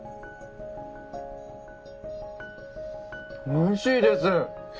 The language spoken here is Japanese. おいしいです！